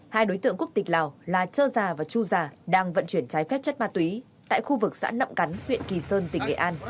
hai đối tượng quốc tịch lào là trơ già và chu già đang vận chuyển trái phép chất ma túy tại khu vực xã nậm cắn huyện kỳ sơn tỉnh nghệ an